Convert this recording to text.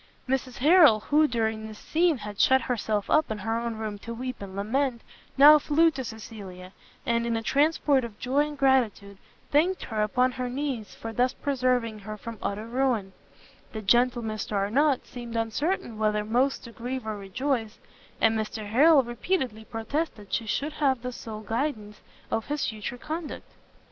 Mrs Harrel, who during this scene had shut herself up in her own room to weep and lament, now flew to Cecilia, and in a transport of joy and gratitude, thanked her upon her knees for thus preserving her from utter ruin: the gentle Mr Arnott seemed uncertain whether most to grieve or rejoice; and Mr Harrel repeatedly protested she should have the sole guidance of his future conduct.